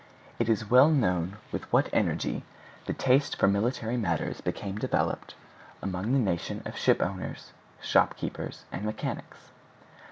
It is well known with what energy the taste for military matters became developed among that nation of ship owners, shopkeepers, and mechanics.